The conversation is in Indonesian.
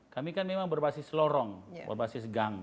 kami kan memang berbasis lorong berbasis gang